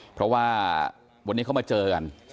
เพราะว่าวันนี้เขามาเจอกัน